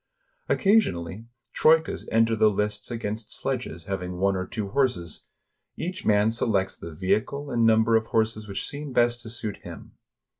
Occasionally, troikas enter the lists against sledges hav ing one or two horses. Each man selects the vehicle and number of horses which seem best to suit him.